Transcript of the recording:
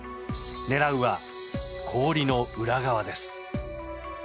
狙うは氷の裏側です。